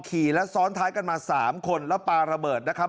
ขี่และซ้อนท้ายกันมา๓คนแล้วปลาระเบิดนะครับ